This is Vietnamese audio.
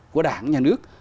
của đảng nhà nước